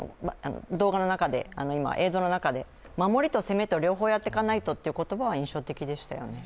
映像の中で今、守りと攻めと両方やっていかないとという言葉は印象的でしたよね。